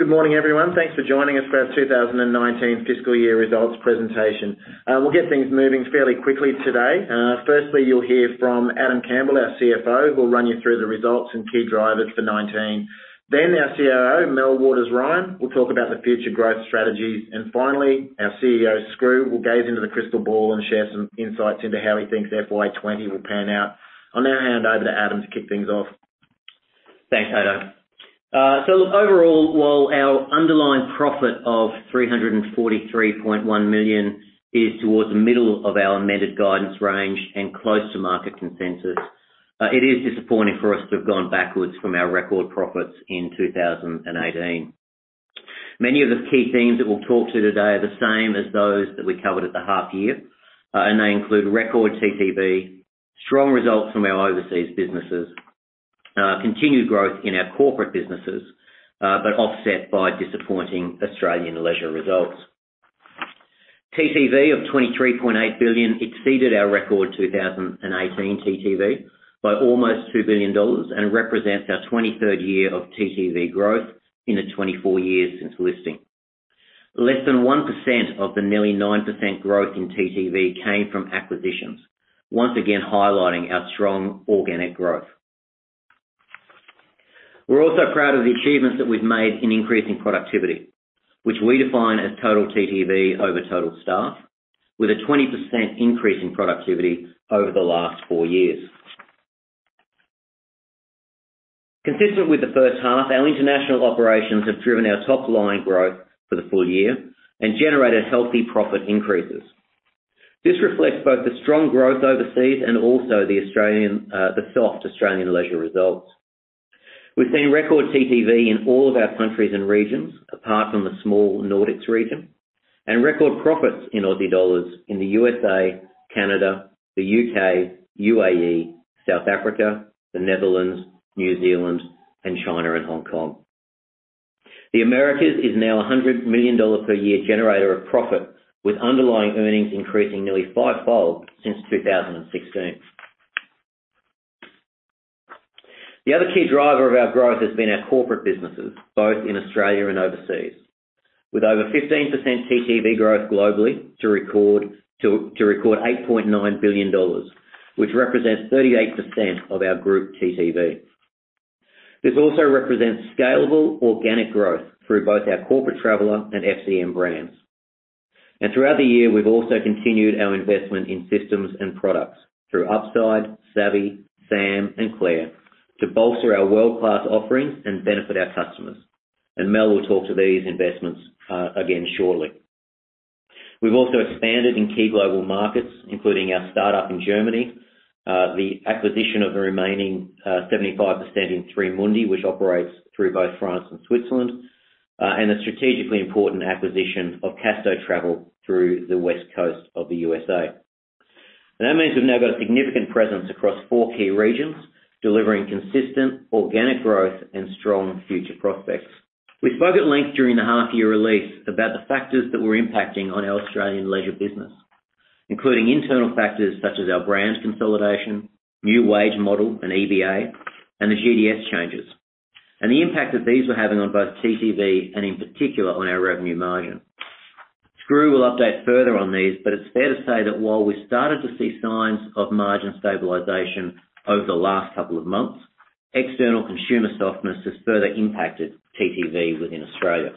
Good morning, everyone. Thanks for joining us for our 2019 fiscal year results presentation. We'll get things moving fairly quickly today. Firstly, you'll hear from Adam Campbell, our CFO, who will run you through the results and key drivers for '19. Then our CEO, Mel Waters-Ryan, will talk about the future growth strategies. And finally, our CEO, Skroo, will gaze into the crystal ball and share some insights into how he thinks FY20 will pan out. I'll now hand over to Adam to kick things off. Thanks, Haydn. So overall, while our underlying profit of 343.1 million is towards the middle of our amended guidance range and close to market consensus, it is disappointing for us to have gone backwards from our record profits in 2018. Many of the key themes that we'll talk to today are the same as those that we covered at the half year, and they include record TTV, strong results from our overseas businesses, continued growth in our corporate businesses, but offset by disappointing Australian leisure results. TTV of 23.8 billion exceeded our record 2018 TTV by almost 2 billion dollars and represents our 23rd year of TTV growth in the 24 years since listing. Less than 1% of the nearly 9% growth in TTV came from acquisitions, once again highlighting our strong organic growth. We're also proud of the achievements that we've made in increasing productivity, which we define as total TTV over total staff, with a 20% increase in productivity over the last four years. Consistent with the first half, our international operations have driven our top line growth for the full year and generated healthy profit increases. This reflects both the strong growth overseas and also the soft Australian leisure results. We've seen record TTV in all of our countries and regions, apart from the small Nordics region, and record profits in Aussie dollars in the U.S.A., Canada, the U.K., UAE, South Africa, the Netherlands, New Zealand, and China and Hong Kong. The Americas is now a $100 million per year generator of profit, with underlying earnings increasing nearly fivefold since 2016. The other key driver of our growth has been our corporate businesses, both in Australia and overseas, with over 15% TTV growth globally to record 8.9 billion dollars, which represents 38% of our group TTV. This also represents scalable organic growth through both our Corporate Traveller and FCM brands. And throughout the year, we've also continued our investment in systems and products through Upside, Savvy, Sam, and Claire to bolster our world-class offerings and benefit our customers. And Mel will talk to these investments again shortly. We've also expanded in key global markets, including our startup in Germany, the acquisition of the remaining 75% in 3Mundi, which operates through both France and Switzerland, and the strategically important acquisition of Casto Travel through the west coast of the U.S.A. And that means we've now got a significant presence across four key regions, delivering consistent organic growth and strong future prospects. We spoke at length during the half-year release about the factors that were impacting on our Australian leisure business, including internal factors such as our brand consolidation, new wage model and EBA, and the GDS changes, and the impact that these were having on both TTV and, in particular, on our revenue margin. Skroo will update further on these, but it's fair to say that while we started to see signs of margin stabilization over the last couple of months, external consumer softness has further impacted TTV within Australia.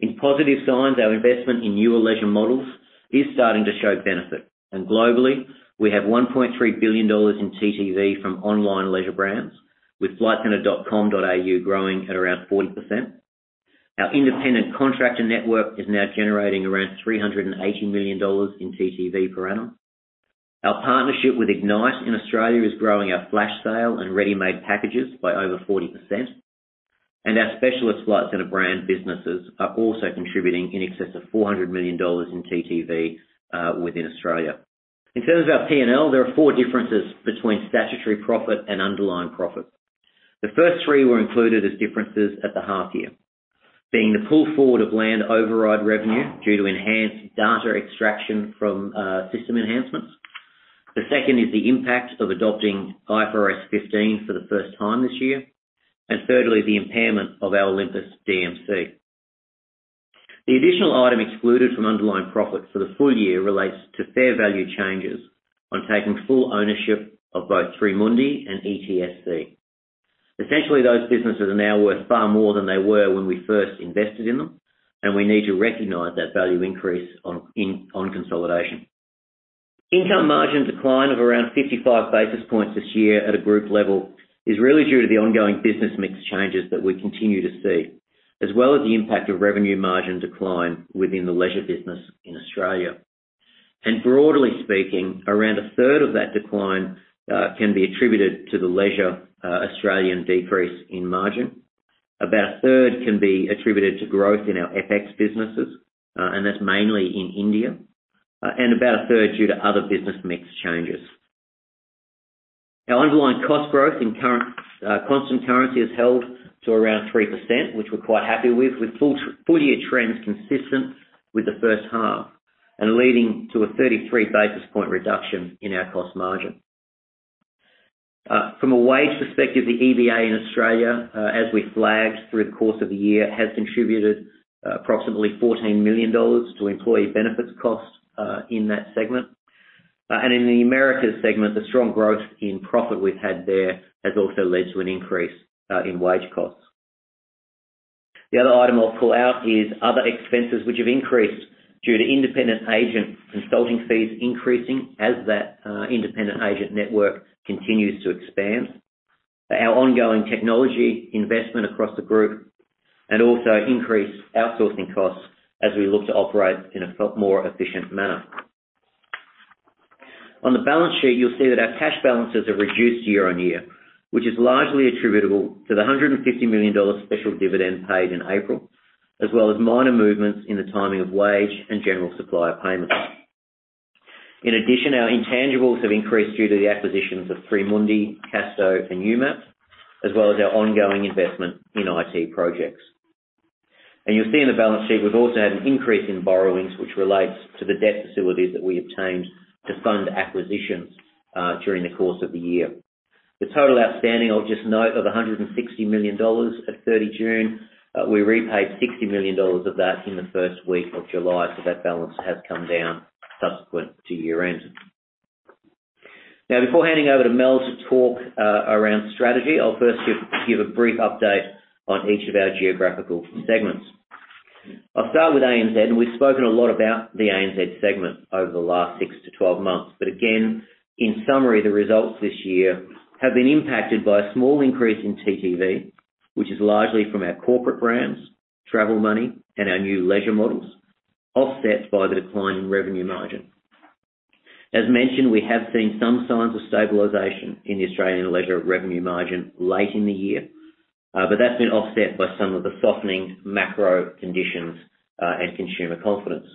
In positive signs, our investment in newer leisure models is starting to show benefit. And globally, we have 1.3 billion dollars in TTV from online leisure brands, with flightcentre.com.au growing at around 40%. Our independent contractor network is now generating around 380 million dollars in TTV per annum. Our partnership with Ignite in Australia is growing our flash sale and ready-made packages by over 40%. And our specialist Flight Centre brand businesses are also contributing in excess of 400 million dollars in TTV within Australia. In terms of our P&L, there are four differences between statutory profit and underlying profit. The first three were included as differences at the half year, being the pull forward of land override revenue due to enhanced data extraction from system enhancements. The second is the impact of adopting IFRS 15 for the first time this year. And thirdly, the impairment of our Olympus DMC. The additional item excluded from underlying profit for the full year relates to fair value changes on taking full ownership of both 3Mundi and ETSC. Essentially, those businesses are now worth far more than they were when we first invested in them, and we need to recognize that value increase on consolidation. Income margin decline of around 55 basis points this year at a group level is really due to the ongoing business mix changes that we continue to see, as well as the impact of revenue margin decline within the leisure business in Australia. And broadly speaking, around a third of that decline can be attributed to the leisure Australian decrease in margin. About a third can be attributed to growth in our FX businesses, and that's mainly in India. And about a third due to other business mix changes. Our underlying cost growth in constant currency has held to around 3%, which we're quite happy with, with full-year trends consistent with the first half and leading to a 33 basis points reduction in our cost margin. From a wage perspective, the EBA in Australia, as we flagged through the course of the year, has contributed approximately $14 million to employee benefits costs in that segment. And in the Americas segment, the strong growth in profit we've had there has also led to an increase in wage costs. The other item I'll pull out is other expenses, which have increased due to independent agent consulting fees increasing as that independent agent network continues to expand. Our ongoing technology investment across the group and also increased outsourcing costs as we look to operate in a more efficient manner. On the balance sheet, you'll see that our cash balances have reduced year on year, which is largely attributable to the $150 million special dividend paid in April, as well as minor movements in the timing of wage and general supplier payments. In addition, our intangibles have increased due to the acquisitions of 3Mundi, Casto, and Umapped, as well as our ongoing investment in IT projects. And you'll see in the balance sheet, we've also had an increase in borrowings, which relates to the debt facilities that we obtained to fund acquisitions during the course of the year. The total outstanding, I'll just note, of $160 million at 30 June, we repaid $60 million of that in the first week of July, so that balance has come down subsequent to year-end. Now, before handing over to Mel to talk around strategy, I'll first give a brief update on each of our geographical segments. I'll start with ANZ. We've spoken a lot about the ANZ segment over the last six to 12 months. But again, in summary, the results this year have been impacted by a small increase in TTV, which is largely from our corporate brands, Travel Money, and our new leisure models, offset by the decline in revenue margin. As mentioned, we have seen some signs of stabilization in the Australian leisure revenue margin late in the year, but that's been offset by some of the softening macro conditions and consumer confidence.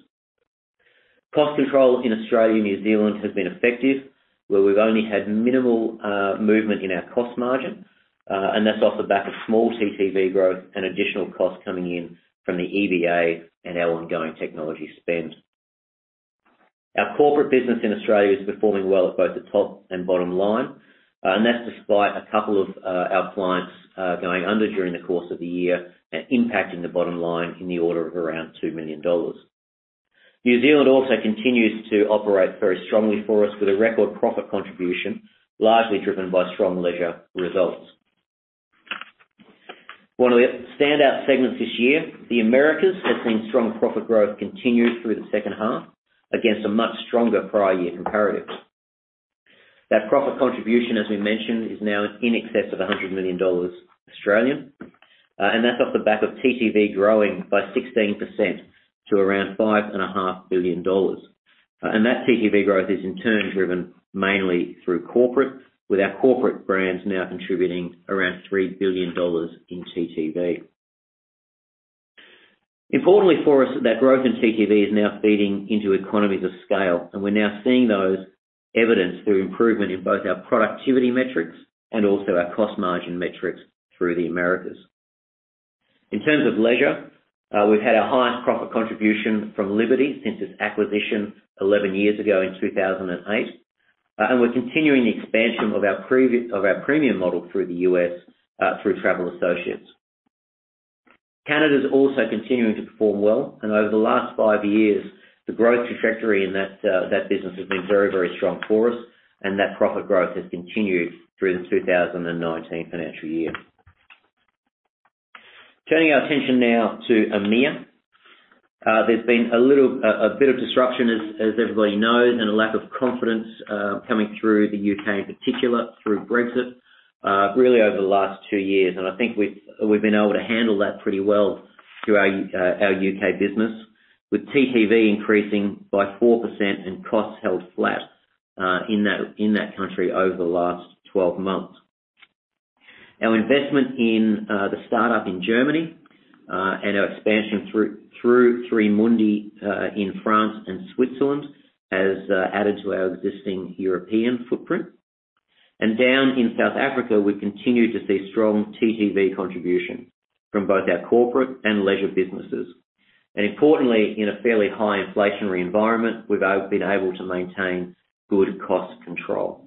Cost control in Australia and New Zealand has been effective, where we've only had minimal movement in our cost margin, and that's off the back of small TTV growth and additional costs coming in from the EBA and our ongoing technology spend. Our corporate business in Australia is performing well at both the top and bottom line, and that's despite a couple of our clients going under during the course of the year and impacting the bottom line in the order of around $2 million. New Zealand also continues to operate very strongly for us with a record profit contribution, largely driven by strong leisure results. One of the standout segments this year, the Americas, has seen strong profit growth continued through the second half against a much stronger prior year comparative. That profit contribution, as we mentioned, is now in excess of 100 million Australian dollars. That's off the back of TTV growing by 16% to around $5.5 billion. That TTV growth is, in turn, driven mainly through corporate, with our corporate brands now contributing around $3 billion in TTV. Importantly for us, that growth in TTV is now feeding into economies of scale, and we're now seeing those evidenced through improvement in both our productivity metrics and also our cost margin metrics through the Americas. In terms of leisure, we've had our highest profit contribution from Liberty since its acquisition 11 years ago in 2008, and we're continuing the expansion of our premium model through the U.S. through Travel Associates. Canada is also continuing to perform well, and over the last five years, the growth trajectory in that business has been very, very strong for us, and that profit growth has continued through the 2019 financial year. Turning our attention now to EMEA. There's been a bit of disruption, as everybody knows, and a lack of confidence coming through the U.K., in particular through Brexit, really over the last two years, and I think we've been able to handle that pretty well through our U.K. business, with TTV increasing by 4% and costs held flat in that country over the last 12 months. Our investment in the startup in Germany and our expansion through 3Mundi in France and Switzerland has added to our existing European footprint, and down in South Africa, we continue to see strong TTV contribution from both our corporate and leisure businesses, and importantly, in a fairly high inflationary environment, we've been able to maintain good cost control.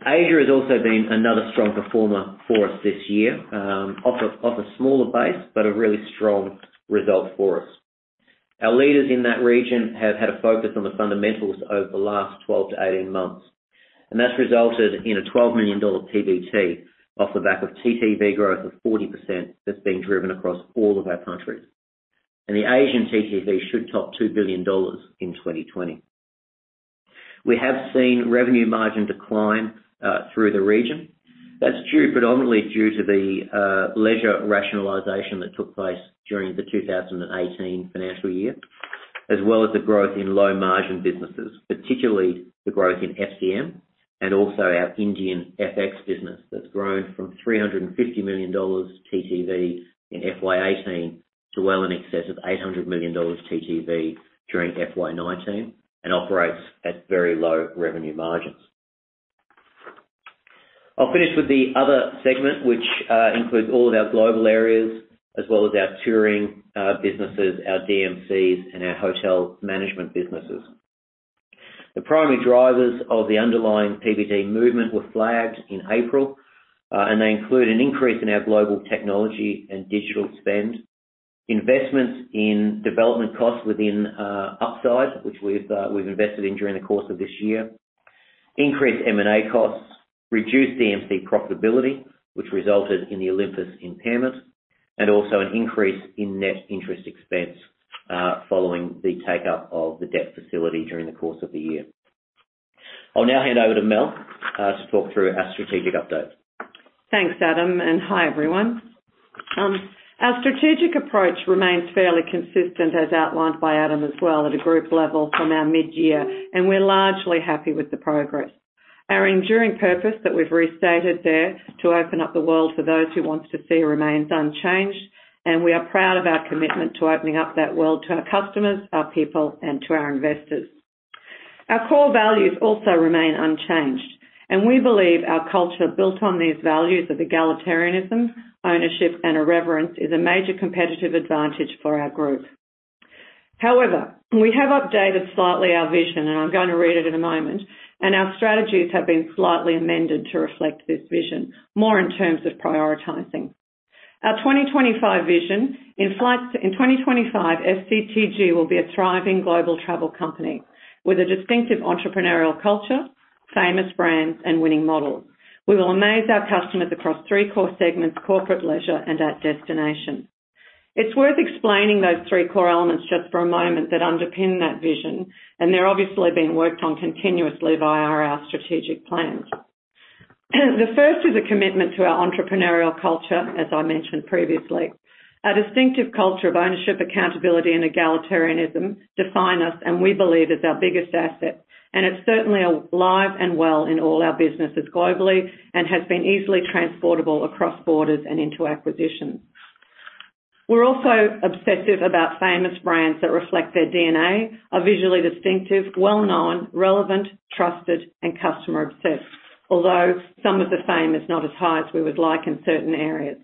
Asia has also been another strong performer for us this year, off a smaller base, but a really strong result for us. Our leaders in that region have had a focus on the fundamentals over the last 12-18 months, and that's resulted in a 12 million dollar PBT off the back of TTV growth of 40% that's been driven across all of our countries, and the Asian TTV should top $2 billion in 2020. We have seen revenue margin decline through the region. That's predominantly due to the leisure rationalization that took place during the 2018 financial year, as well as the growth in low-margin businesses, particularly the growth in FCM and also our Indian FX business that's grown from $350 million TTV in FY18 to well in excess of $800 million TTV during FY19 and operates at very low revenue margins. I'll finish with the other segment, which includes all of our global areas, as well as our touring businesses, our DMCs, and our hotel management businesses. The primary drivers of the underlying PBT movement were flagged in April, and they include an increase in our global technology and digital spend, investments in development costs within Upside, which we've invested in during the course of this year, increased M&A costs, reduced DMC profitability, which resulted in the Olympus impairment, and also an increase in net interest expense following the take-up of the debt facility during the course of the year. I'll now hand over to Mel to talk through our strategic update. Thanks, Adam. Hi, everyone. Our strategic approach remains fairly consistent, as outlined by Adam as well, at a group level from our mid-year, and we're largely happy with the progress. Our enduring purpose that we've restated there to open up the world for those who want to see remains unchanged, and we are proud of our commitment to opening up that world to our customers, our people, and to our investors. Our core values also remain unchanged, and we believe our culture built on these values of egalitarianism, ownership, and irreverence is a major competitive advantage for our group. However, we have updated slightly our vision, and I'm going to read it in a moment, and our strategies have been slightly amended to reflect this vision, more in terms of prioritizing. Our 2025 vision: in 2025, FCTG will be a thriving global travel company with a distinctive entrepreneurial culture, famous brands, and winning models. We will amaze our customers across three core segments: corporate, leisure, and at destination. It's worth explaining those three core elements just for a moment that underpin that vision, and they're obviously being worked on continuously via our strategic plans. The first is a commitment to our entrepreneurial culture, as I mentioned previously. Our distinctive culture of ownership, accountability, and egalitarianism define us, and we believe it's our biggest asset. And it's certainly alive and well in all our businesses globally and has been easily transportable across borders and into acquisitions. We're also obsessive about famous brands that reflect their DNA, are visually distinctive, well-known, relevant, trusted, and customer-obsessed, although some of the fame is not as high as we would like in certain areas.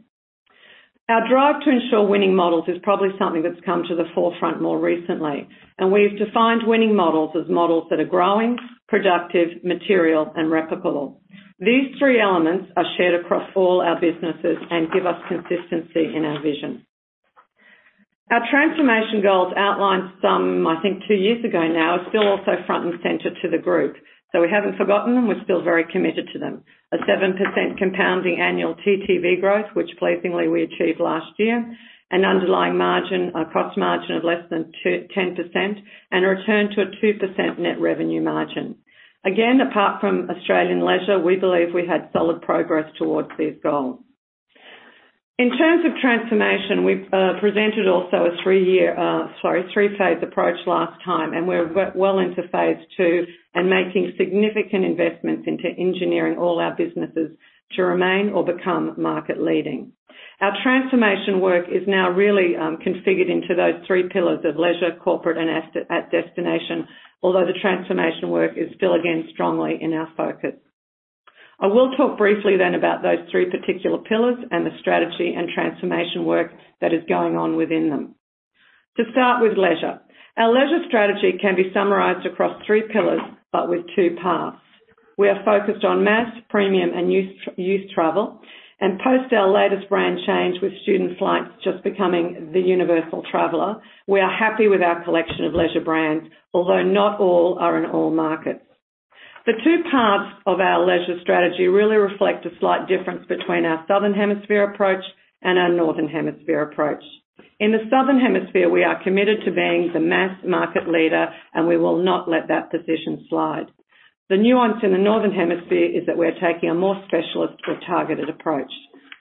Our drive to ensure winning models is probably something that's come to the forefront more recently, and we've defined winning models as models that are growing, productive, material, and replicable. These three elements are shared across all our businesses and give us consistency in our vision. Our transformation goals outlined some, I think, two years ago now, are still also front and center to the group, so we haven't forgotten them. We're still very committed to them: a 7% compounding annual TTV growth, which, pleasingly, we achieved last year, an underlying cost margin of less than 10%, and a return to a 2% net revenue margin. Again, apart from Australian leisure, we believe we had solid progress towards these goals. In terms of transformation, we presented also a three-phase approach last time, and we're well into phase two and making significant investments into engineering all our businesses to remain or become market-leading. Our transformation work is now really configured into those three pillars of leisure, corporate, and at destination, although the transformation work is still, again, strongly in our focus. I will talk briefly then about those three particular pillars and the strategy and transformation work that is going on within them. To start with leisure, our leisure strategy can be summarized across three pillars, but with two paths. We are focused on mass, premium, and youth travel, and post our latest brand change, with Student Flights just becoming the Universal Traveller, we are happy with our collection of leisure brands, although not all are in all markets. The two paths of our leisure strategy really reflect a slight difference between our southern hemisphere approach and our northern hemisphere approach. In the southern hemisphere, we are committed to being the mass market leader, and we will not let that position slide. The nuance in the northern hemisphere is that we're taking a more specialist or targeted approach.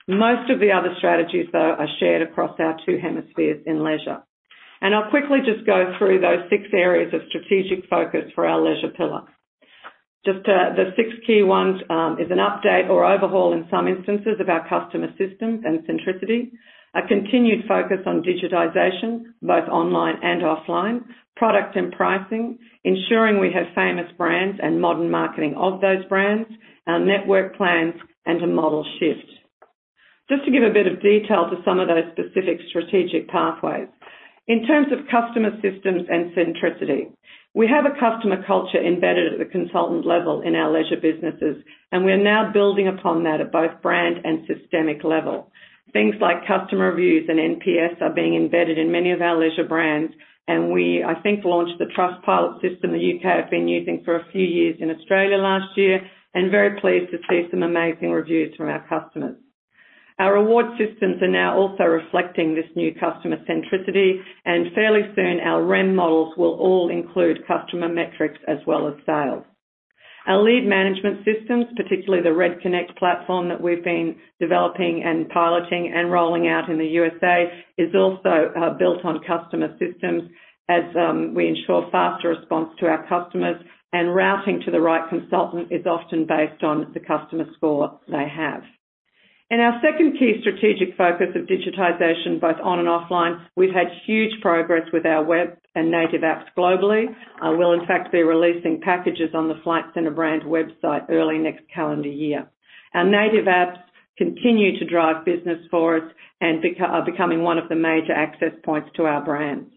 Most of the other strategies, though, are shared across our two hemispheres in leisure. And I'll quickly just go through those six areas of strategic focus for our leisure pillar. Just the six key ones are an update or overhaul in some instances of our customer system and centricity, a continued focus on digitization, both online and offline, product and pricing, ensuring we have famous brands and modern marketing of those brands, our network plans, and a model shift. Just to give a bit of detail to some of those specific strategic pathways. In terms of customer systems and centricity, we have a customer culture embedded at the consultant level in our leisure businesses, and we are now building upon that at both brand and systemic level. Things like customer reviews and NPS are being embedded in many of our leisure brands, and we, I think, launched the Trustpilot system the U.K. have been using for a few years in Australia last year and are very pleased to see some amazing reviews from our customers. Our reward systems are now also reflecting this new customer centricity, and fairly soon, our REM models will all include customer metrics as well as sales. Our lead management systems, particularly the Red Connect platform that we've been developing and piloting and rolling out in the U.S.A., is also built on customer systems as we ensure faster response to our customers, and routing to the right consultant is often based on the customer score they have. In our second key strategic focus of digitization, both on and offline, we've had huge progress with our web and native apps globally. Well, in fact, be releasing packages on the Flight Centre brand website early next calendar year. Our native apps continue to drive business for us and are becoming one of the major access points to our brands.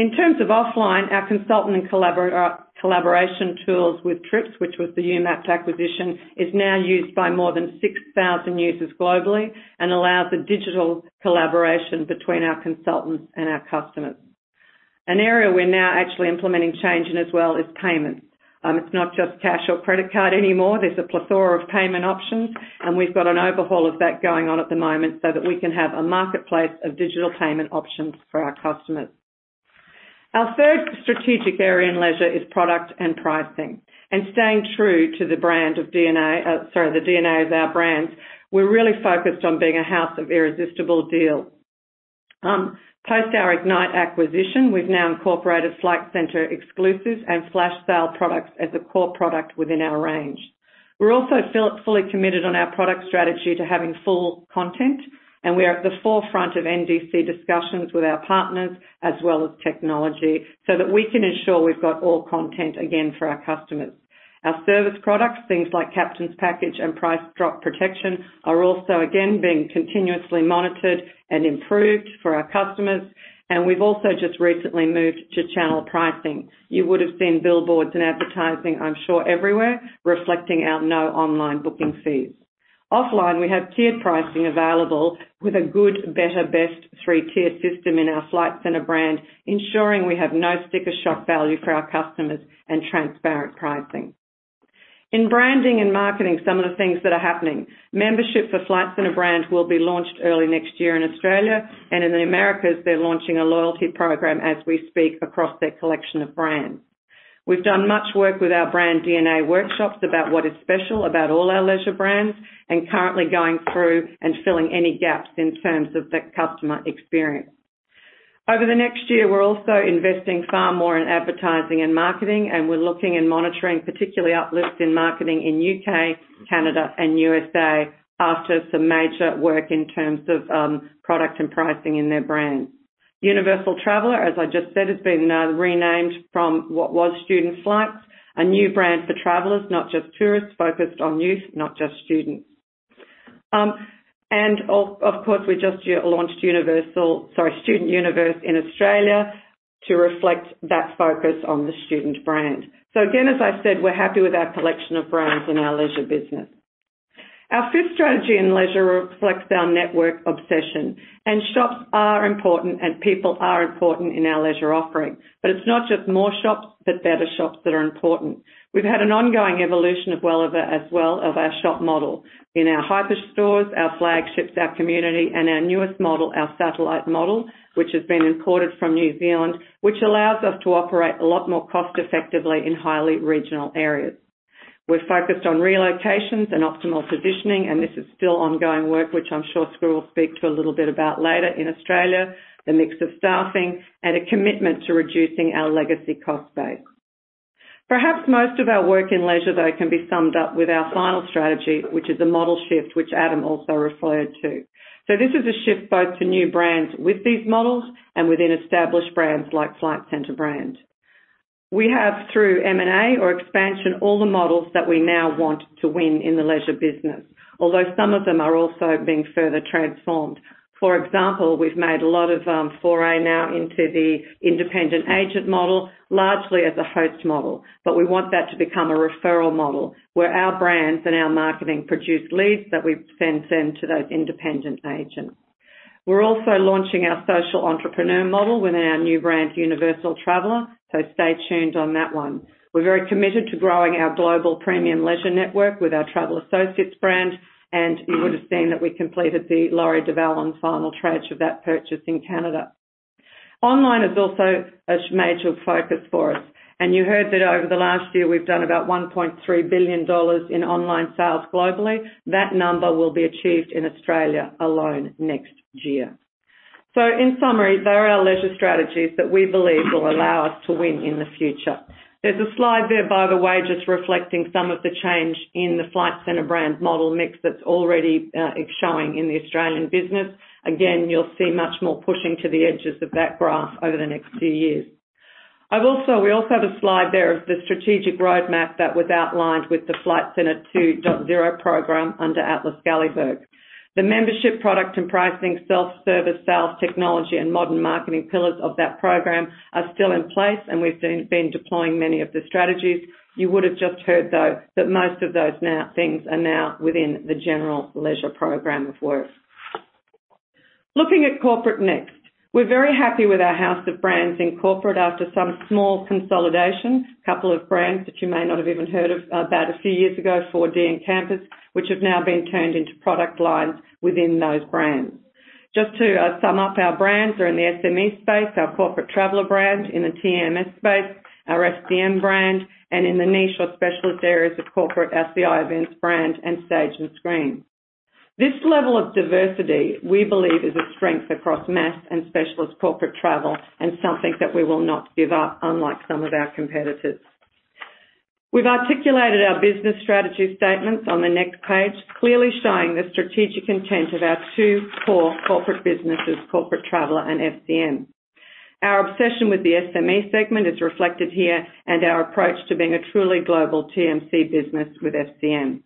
In terms of offline, our consultant and collaboration tools with Trips, which was the Umapped acquisition, are now used by more than 6,000 users globally and allow the digital collaboration between our consultants and our customers. An area we're now actually implementing change in as well is payments. It's not just cash or credit card anymore. There's a plethora of payment options, and we've got an overhaul of that going on at the moment so that we can have a marketplace of digital payment options for our customers. Our third strategic area in leisure is product and pricing. Staying true to the brand of DNA, sorry, the DNA of our brands, we're really focused on being a house of irresistible deals. Post our Ignite acquisition, we've now incorporated Flight Centre Exclusives and flash sale products as a core product within our range. We're also fully committed on our product strategy to having full content, and we're at the forefront of NDC discussions with our partners as well as technology so that we can ensure we've got all content again for our customers. Our service products, things like Captain's Package and Price Drop Protection, are also, again, being continuously monitored and improved for our customers, and we've also just recently moved to channel pricing. You would have seen billboards and advertising, I'm sure, everywhere, reflecting our no online booking fees. Offline, we have tiered pricing available with a good, better, best three-tier system in our Flight Centre brand, ensuring we have no sticker shock value for our customers and transparent pricing. In branding and marketing, some of the things that are happening: membership for Flight Centre brand will be launched early next year in Australia, and in the Americas, they're launching a loyalty program as we speak across their collection of brands. We've done much work with our brand DNA workshops about what is special about all our leisure brands and currently going through and filling any gaps in terms of the customer experience. Over the next year, we're also investing far more in advertising and marketing, and we're looking and monitoring particularly uplifts in marketing in U.K., Canada, and U.S.A after some major work in terms of product and pricing in their brand. Universal Traveller, as I just said, has been renamed from what was Student Flights, a new brand for travelers, not just tourists, focused on youth, not just students. And, of course, we just launched Universal, sorry, StudentUniverse in Australia to reflect that focus on the student brand. So again, as I said, we're happy with our collection of brands and our leisure business. Our fifth strategy in leisure reflects our network obsession, and shops are important and people are important in our leisure offering, but it's not just more shops, but better shops that are important. We've had an ongoing evolution as well of our shop model in our hyper stores, our flagships, our community, and our newest model, our satellite model, which has been imported from New Zealand, which allows us to operate a lot more cost-effectively in highly regional areas. We're focused on relocations and optimal positioning, and this is still ongoing work, which I'm sure Skroo will speak to a little bit about later in Australia, the mix of staffing, and a commitment to reducing our legacy cost base. Perhaps most of our work in leisure, though, can be summed up with our final strategy, which is a model shift, which Adam also referred to. So this is a shift both to new brands with these models and within established brands like Flight Centre Brand. We have, through M&A or expansion, all the models that we now want to win in the leisure business, although some of them are also being further transformed. For example, we've made a lot of foray now into the independent agent model, largely as a host model, but we want that to become a referral model where our brands and our marketing produce leads that we then send to those independent agents. We're also launching our social entrepreneur model within our new brand, Universal Traveller, so stay tuned on that one. We're very committed to growing our global premium leisure network with our Travel Associates brand, and you would have seen that we completed the Les Voyages Laurier du Vallon final tranche of that purchase in Canada. Online is also a major focus for us, and you heard that over the last year we've done about $1.3 billion in online sales globally. That number will be achieved in Australia alone next year. So, in summary, they are our leisure strategies that we believe will allow us to win in the future. There's a slide there, by the way, just reflecting some of the change in the Flight Centre brand model mix that's already showing in the Australian business. Again, you'll see much more pushing to the edges of that graph over the next few years. We also have a slide there of the strategic roadmap that was outlined with the Flight Centre 2.0 program under Atle Skalleberg. The membership, product, and pricing, self-service, sales technology, and modern marketing pillars of that program are still in place, and we've been deploying many of the strategies. You would have just heard, though, that most of those things are now within the general leisure program of work. Looking at corporate next, we're very happy with our house of brands in corporate after some small consolidation, a couple of brands that you may not have even heard of about a few years ago, 4D and Campus, which have now been turned into product lines within those brands. Just to sum up, our brands are in the SME space, our Corporate Traveller brand in the TMC space, our FCM brand, and in the niche or specialist areas of corporate cievents brand and Stage and Screen. This level of diversity we believe is a strength across mass and specialist corporate travel and something that we will not give up, unlike some of our competitors. We've articulated our business strategy statements on the next page, clearly showing the strategic intent of our two core corporate businesses, Corporate Traveller and FCM. Our obsession with the SME segment is reflected here and our approach to being a truly global TMC business with FCM.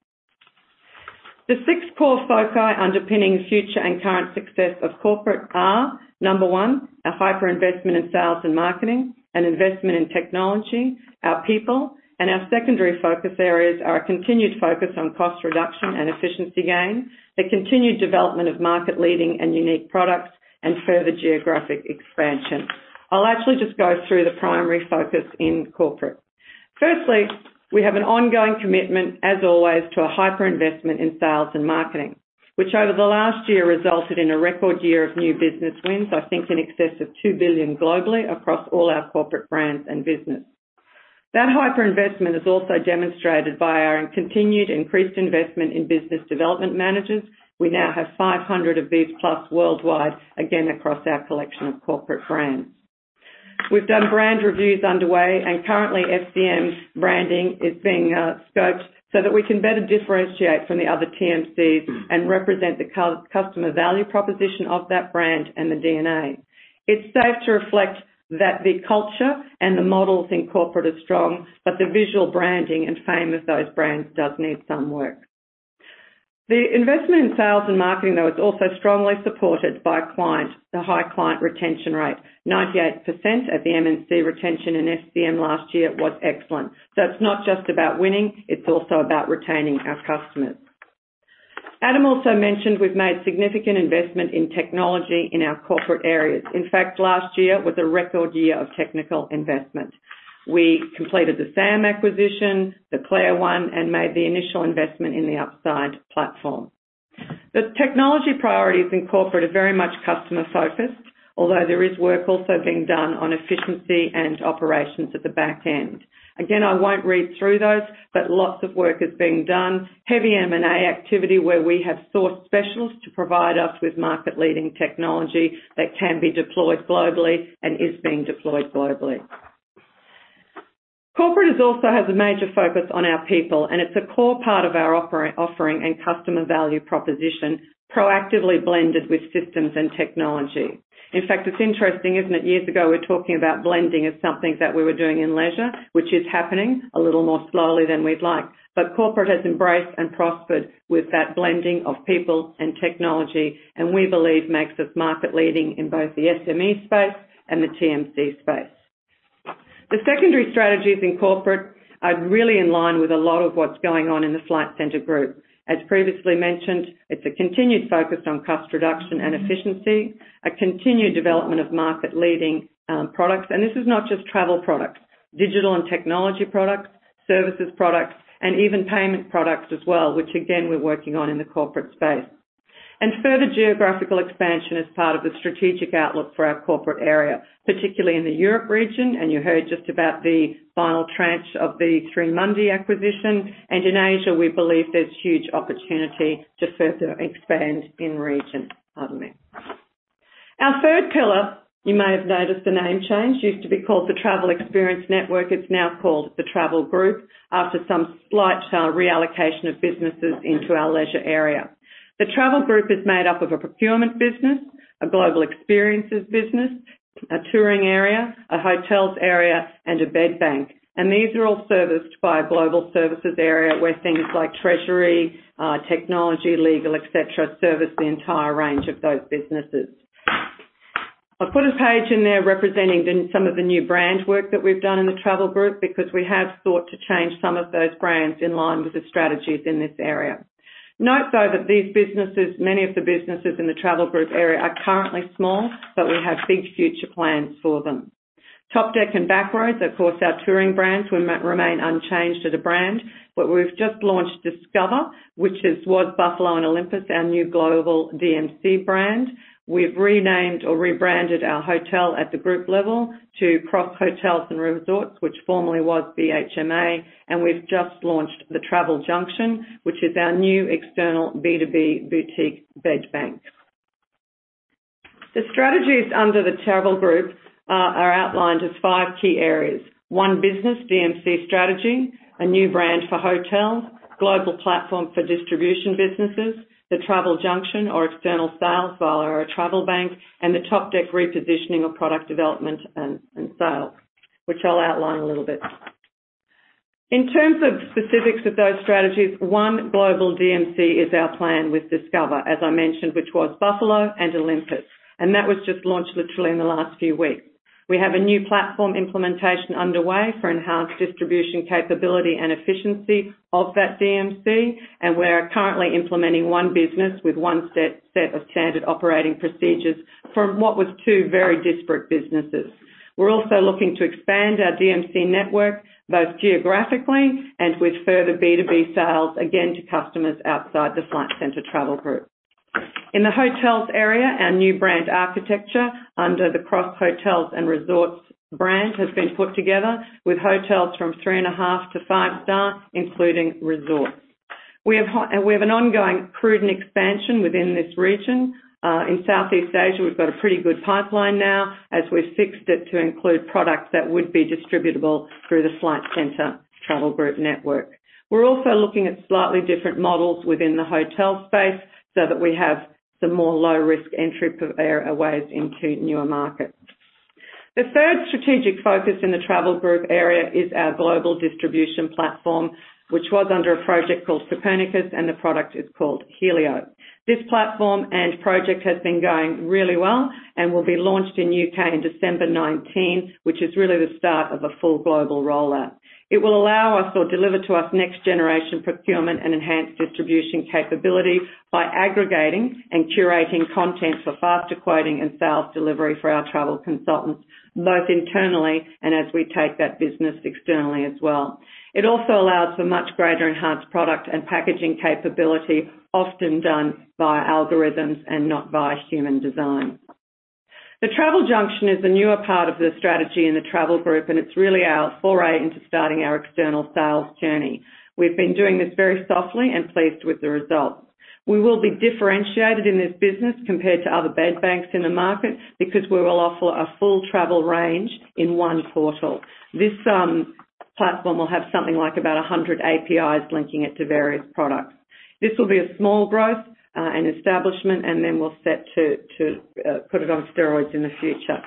The six core foci underpinning future and current success of corporate are, number one, our hyper-investment in sales and marketing, an investment in technology, our people, and our secondary focus areas are a continued focus on cost reduction and efficiency gain, the continued development of market-leading and unique products, and further geographic expansion. I'll actually just go through the primary focus in corporate. Firstly, we have an ongoing commitment, as always, to a hyper-investment in sales and marketing, which over the last year resulted in a record year of new business wins, I think in excess of $2 billion globally across all our corporate brands and business. That hyper-investment is also demonstrated by our continued increased investment in business development managers. We now have 500 of these plus worldwide, again, across our collection of corporate brands. We've done brand reviews underway, and currently, FCM branding is being scoped so that we can better differentiate from the other TMCs and represent the customer value proposition of that brand and the DNA. It's safe to reflect that the culture and the models in corporate are strong, but the visual branding and fame of those brands does need some work. The investment in sales and marketing, though, is also strongly supported by client, the high client retention rate. 98% of the MNC retention in FCM last year was excellent. So it's not just about winning. It's also about retaining our customers. Adam also mentioned we've made significant investment in technology in our corporate areas. In fact, last year was a record year of technical investment. We completed the Sam acquisition, the Claire, and made the initial investment in the Upside platform. The technology priorities in corporate are very much customer-focused, although there is work also being done on efficiency and operations at the back end. Again, I won't read through those, but lots of work is being done, heavy M&A activity where we have sourced specialists to provide us with market-leading technology that can be deployed globally and is being deployed globally. Corporate also has a major focus on our people, and it's a core part of our offering and customer value proposition, proactively blended with systems and technology. In fact, it's interesting, isn't it? Years ago, we were talking about blending as something that we were doing in leisure, which is happening a little more slowly than we'd like, but corporate has embraced and prospered with that blending of people and technology, and we believe makes us market-leading in both the SME space and the TMC space. The secondary strategies in corporate are really in line with a lot of what's going on in the Flight Centre Group. As previously mentioned, it's a continued focus on cost reduction and efficiency, a continued development of market-leading products, and this is not just travel products, digital and technology products, services products, and even payment products as well, which, again, we're working on in the corporate space. Further geographical expansion is part of the strategic outlook for our corporate area, particularly in the Europe region, and you heard just about the final tranche of the 3Mundi acquisition. In Asia, we believe there's huge opportunity to further expand in region. Our third pillar, you may have noticed the name change, used to be called the Travel Experience Network. It's now called the Travel Group after some slight reallocation of businesses into our leisure area. The Travel Group is made up of a procurement business, a global experiences business, a touring area, a hotels area, and a bed bank, and these are all serviced by a global services area where things like treasury, technology, legal, etc., service the entire range of those businesses. I've put a page in there representing some of the new brand work that we've done in the Travel Group because we have sought to change some of those brands in line with the strategies in this area. Note, though, that these businesses, many of the businesses in the Travel Group area, are currently small, but we have big future plans for them. Topdeck and Back-Roads, of course, our touring brands, we remain unchanged as a brand, but we've just launched Discova, which was Buffalo and Olympus, our new global DMC brand. We've renamed or rebranded our hotel at the group level to Cross Hotels and Resorts, which formerly was the BHMA, and we've just launched the Travel Junction, which is our new external B2B boutique bed bank. The strategies under the Travel Group are outlined as five key areas: one business DMC strategy, a new brand for hotels, a global platform for distribution businesses, The Travel Junction or external sales via our travel bank, and the Topdeck repositioning of product development and sales, which I'll outline a little bit. In terms of specifics of those strategies, one global DMC is our plan with Discova, as I mentioned, which was Buffalo and Olympus, and that was just launched literally in the last few weeks. We have a new platform implementation underway for enhanced distribution capability and efficiency of that DMC, and we're currently implementing one business with one set of standard operating procedures from what was two very disparate businesses. We're also looking to expand our DMC network both geographically and with further B2B sales, again, to customers outside the Flight Centre Travel Group. In the hotels area, our new brand architecture under the Cross Hotels & Resorts brand has been put together with hotels from three and a half to five-star, including resorts. We have an ongoing prudent expansion within this region. In Southeast Asia, we've got a pretty good pipeline now as we've fixed it to include products that would be distributable through the Flight Centre Travel Group network. We're also looking at slightly different models within the hotel space so that we have some more low-risk entry ways into newer markets. The third strategic focus in the Travel Group area is our global distribution platform, which was under a project called Copernicus, and the product is called Helio. This platform and project has been going really well and will be launched in the U.K. in December 2019, which is really the start of a full global rollout. It will allow us or deliver to us next-generation procurement and enhanced distribution capability by aggregating and curating content for faster quoting and sales delivery for our travel consultants, both internally and as we take that business externally as well. It also allows for much greater enhanced product and packaging capability, often done by algorithms and not by human design. The Travel Junction is a newer part of the strategy in the Travel Group, and it's really our foray into starting our external sales journey. We've been doing this very softly and pleased with the results. We will be differentiated in this business compared to other bed banks in the market because we will offer a full travel range in one portal. This platform will have something like about 100 APIs linking it to various products. This will be a small growth and establishment, and then we'll set to put it on steroids in the future.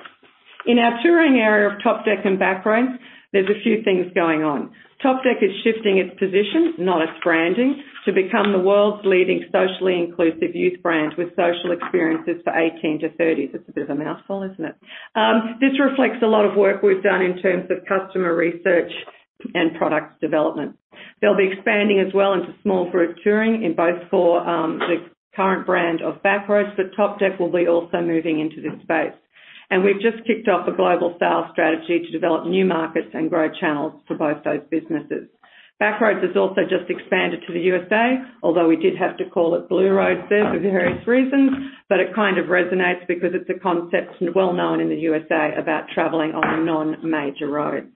In our touring area of Topdeck and Back-Roads, there's a few things going on. Topdeck is shifting its position, not its branding, to become the world's leading socially inclusive youth brand with social experiences for 18 to 30. That's a bit of a mouthful, isn't it? This reflects a lot of work we've done in terms of customer research and product development. They'll be expanding as well into small group touring in both for the current brand of Back-Roads, but Topdeck will be also moving into this space, and we've just kicked off a global sales strategy to develop new markets and grow channels for both those businesses. Back-Roads has also just expanded to the U.S.A, although we did have to call it Blue-Roads there for various reasons, but it kind of resonates because it's a concept well known in the U.S.A about traveling on non-major roads.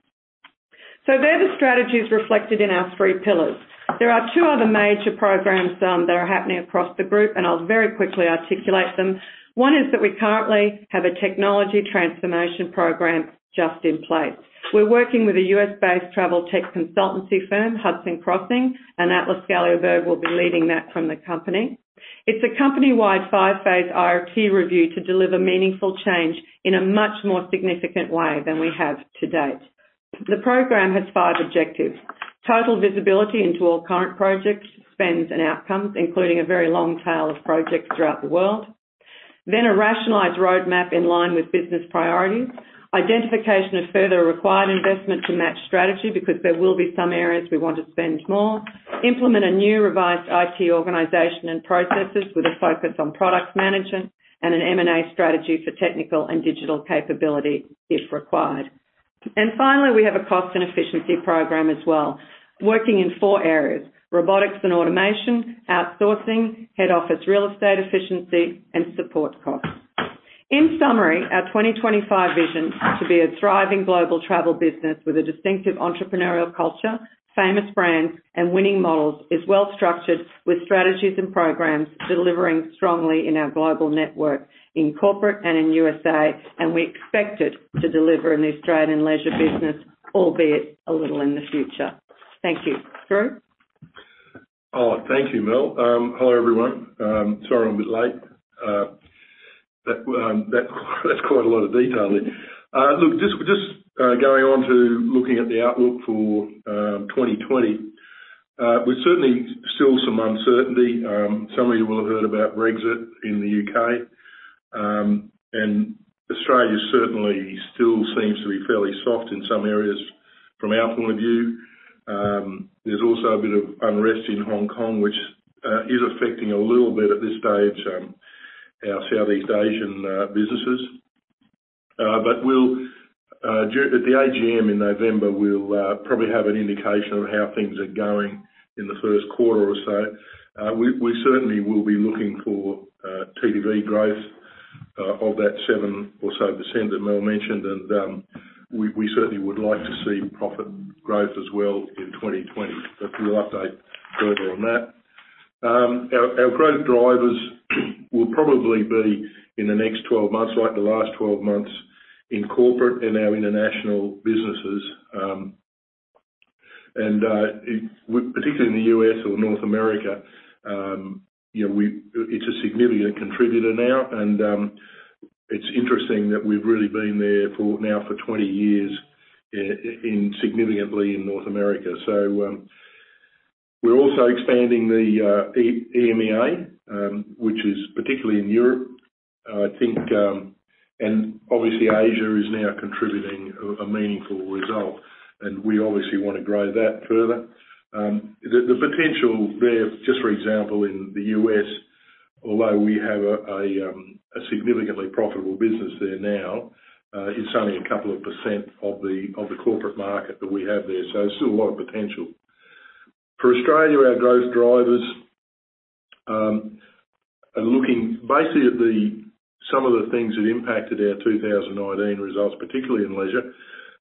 So they're the strategies reflected in our three pillars. There are two other major programs that are happening across the group, and I'll very quickly articulate them. One is that we currently have a technology transformation program just in place. We're working with a U.S.-based travel tech consultancy firm, Hudson Crossing, and Atle Skalleberg will be leading that from the company. It's a company-wide five-phase IT review to deliver meaningful change in a much more significant way than we have to date. The program has five objectives: total visibility into all current projects, spends, and outcomes, including a very long tail of projects throughout the world, then a rationalized roadmap in line with business priorities, identification of further required investment to match strategy because there will be some areas we want to spend more, implement a new revised IT organization and processes with a focus on product management, and an M&A strategy for technical and digital capability if required. And finally, we have a cost and efficiency program as well, working in four areas: robotics and automation, outsourcing, head office real estate efficiency, and support costs. In summary, our 2025 vision to be a thriving global travel business with a distinctive entrepreneurial culture, famous brands, and winning models is well structured with strategies and programs delivering strongly in our global network in corporate and in U.S.A, and we expect it to deliver in the Australian leisure business, albeit a little in the future. Thank you. Scroo? Thank you, Mel. Hello everyone. Sorry, I'm a bit late. That's quite a lot of detail. Look, just going on to looking at the outlook for 2020, we're certainly still some uncertainty. Some of you will have heard about Brexit in the U.K., and Australia certainly still seems to be fairly soft in some areas from our point of view. There's also a bit of unrest in Hong Kong, which is affecting a little bit at this stage our Southeast Asian businesses. But at the AGM in November, we'll probably have an indication of how things are going in the first quarter or so. We certainly will be looking for TTV growth of that 7% or so that Mel mentioned, and we certainly would like to see profit growth as well in 2020, but we'll update further on that. Our growth drivers will probably be in the next 12 months, like the last 12 months, in corporate and our international businesses. And particularly in the U.S. or North America, it's a significant contributor now, and it's interesting that we've really been there now for 20 years significantly in North America. So we're also expanding the EMEA, which is particularly in Europe, I think, and obviously Asia is now contributing a meaningful result, and we obviously want to grow that further. The potential there, just for example, in the U.S., although we have a significantly profitable business there now, it's only a couple of percent of the corporate market that we have there, so still a lot of potential. For Australia, our growth drivers are looking basically at some of the things that impacted our 2019 results, particularly in leisure,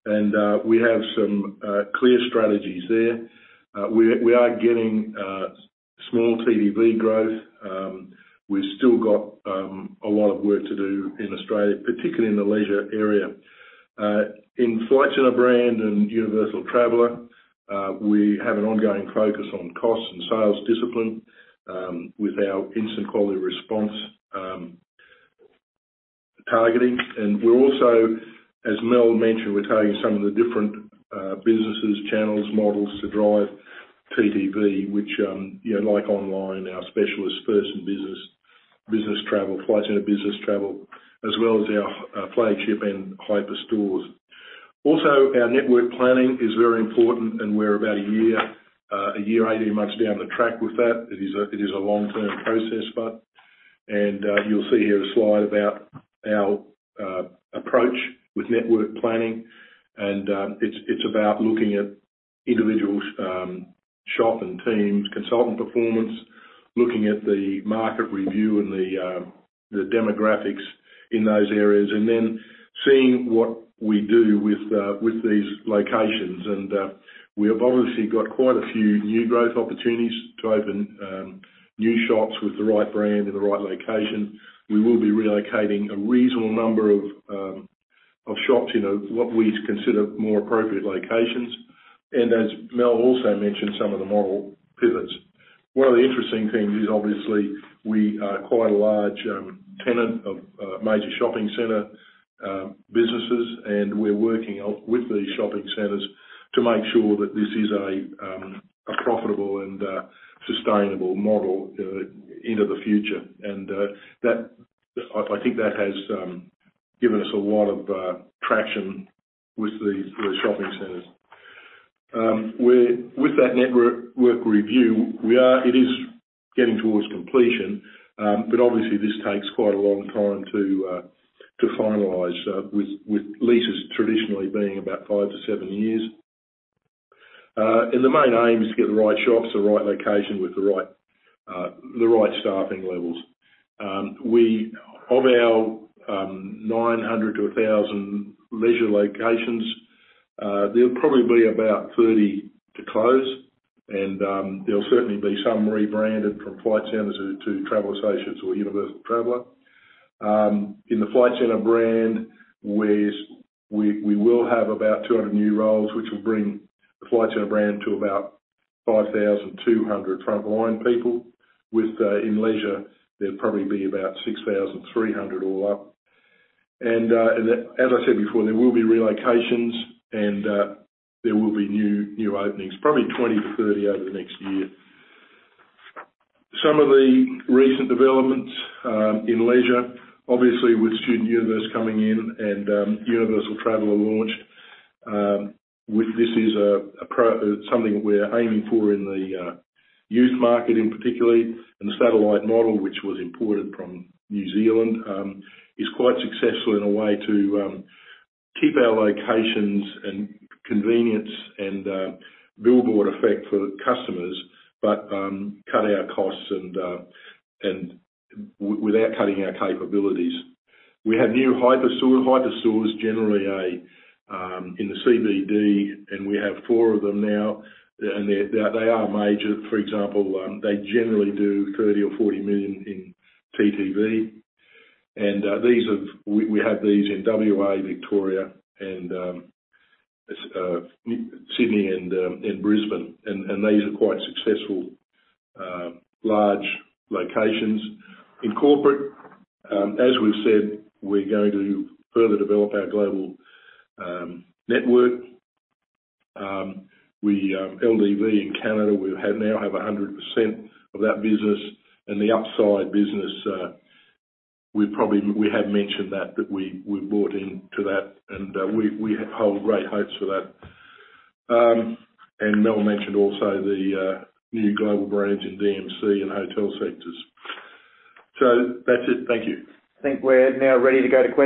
and we have some clear strategies there. We are getting small TTV growth. We've still got a lot of work to do in Australia, particularly in the leisure area. In Flight Centre Brand and Universal Traveler, we have an ongoing focus on cost and sales discipline with our Instant Quality Response targeting. We're also, as Mel mentioned, targeting some of the different businesses, channels, models to drive TTV, which, like online, our specialist first in business travel, Flight Centre Business Travel, as well as our flagship and hyper stores. Also, our network planning is very important, and we're about a year, 18 months down the track with that. It is a long-term process, but you'll see here a slide about our approach with network planning, and it's about looking at individual shop and teams, consultant performance, looking at the market review and the demographics in those areas, and then seeing what we do with these locations. And we've obviously got quite a few new growth opportunities to open new shops with the right brand in the right location. We will be relocating a reasonable number of shops in what we consider more appropriate locations. And as Mel also mentioned, some of the model pivots. One of the interesting things is obviously we are quite a large tenant of major shopping center businesses, and we're working with the shopping centers to make sure that this is a profitable and sustainable model into the future. And I think that has given us a lot of traction with the shopping centers. With that network review, it is getting towards completion, but obviously this takes quite a long time to finalize with leases traditionally being about five to seven years. And the main aim is to get the right shops in the right location with the right staffing levels. Of our 900 to 1,000 leisure locations, there'll probably be about 30 to close, and there'll certainly be some rebranded from Flight Centre to Travel Associates or Universal Traveller. In the Flight Centre brand, we will have about 200 new roles, which will bring the Flight Centre rand to about 5,200 frontline people. In leisure, there'll probably be about 6,300 all up. And as I said before, there will be relocations, and there will be new openings, probably 20 to 30 over the next year. Some of the recent developments in leisure, obviously with Student Universe coming in and Universal Traveller launched, this is something we're aiming for in the youth market in particular. And the satellite model, which was imported from New Zealand, is quite successful in a way to keep our locations and convenience and billboard effect for customers, but cut our costs without cutting our capabilities. We have new hyper stores. Hyper stores generally are in the CBD, and we have four of them now, and they are major. For example, they generally do 30 or 40 million in TTV. We have these in WA, Victoria, and Sydney, and Brisbane, and these are quite successful large locations. In corporate, as we've said, we're going to further develop our global network. With LDV in Canada. We now have 100% of that business. The Upside business, we have mentioned that we've bought into that, and we hold great hopes for that. Mel mentioned also the new global brands in DMC and hotel sectors. That's it. Thank you. I think we're now ready to go to.